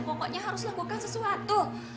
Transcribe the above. pokoknya harus lakukan sesuatu